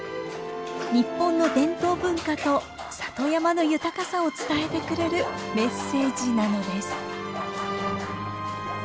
日本の伝統文化と里山の豊かさを伝えてくれるメッセージなのです。